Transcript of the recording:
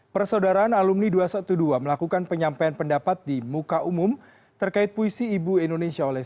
persaudaraan alumni dua ratus dua belas melakukan penyampaian pendapat di muka umum terkait puisi ibu indonesia oleh